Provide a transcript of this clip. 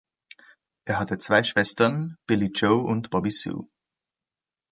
Er hat zwei Schwestern, Billie Joe und Bobby Sue.